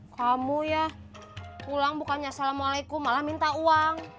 kamu ya pulang bukannya assalamualaikum malah minta uang